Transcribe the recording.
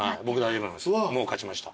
もう勝ちました。